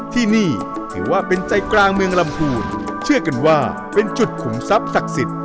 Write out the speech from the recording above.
ที่นี่ถือว่าเป็นใจกลางเมืองลำพูนเชื่อกันว่าเป็นจุดขุมทรัพย์ศักดิ์สิทธิ์